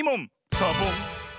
サボン！